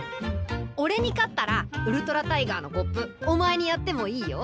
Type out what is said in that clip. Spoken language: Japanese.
おれに勝ったらウルトラタイガーのコップお前にやってもいいよ。